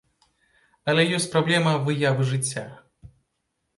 Але ёсць праблема выявы жыцця.